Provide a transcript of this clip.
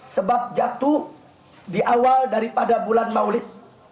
sebab jatuh di awal daripada bulan maulid